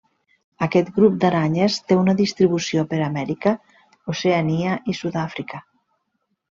Aquest grup d'aranyes té una distribució per Amèrica, Oceania i Sud-àfrica.